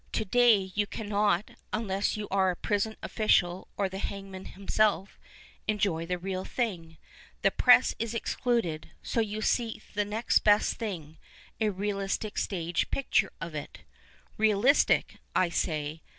To day you cannot (unless you are a prison ofBcial or the hangman himself) enjoy the real thing ; the Press is excluded ; so you seek the next best thing, a realistic stage picture of it. " Realistic," I say.